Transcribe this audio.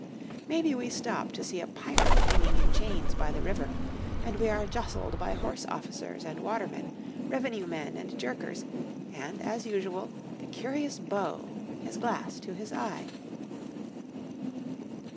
Maybe we stop to see a pirate hanging in chains by the river, and we are jostled by horse officers and watermen, revenue men and jerkers, and, as usual, the curious beau, his glass to his eye.